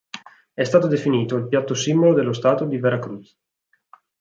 È stato definito il piatto simbolo dello stato di Veracruz.